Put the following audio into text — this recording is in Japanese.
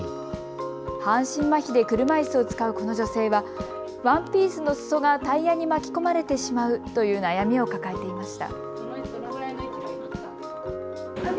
半身マヒで車いすを使うこの女性はワンピースのすそがタイヤに巻き込まれてしまうという悩みを抱えていました。